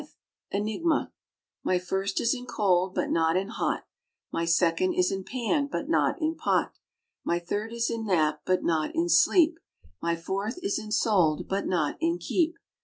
5. ENIGMA. My first is in cold, but not in hot. My second is in pan, but not in pot. My third is in nap, but not in sleep. My fourth is in sold, but not in keep.